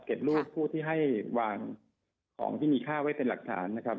รูปผู้ที่ให้วางของที่มีค่าไว้เป็นหลักฐานนะครับ